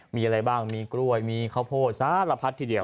มีอะไรบ้างมีกล้วยมีข้าวโพดสารพัดทีเดียว